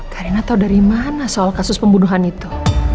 karina tahu dari mana soal kasus pembunuhan itu